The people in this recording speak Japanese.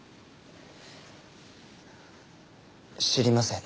知りません。